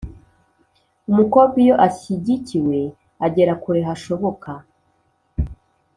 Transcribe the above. Umukobwa iyo ashyigikiwe agera kure hashoboka.